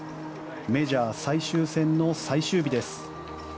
メジャー最終戦の最終日です。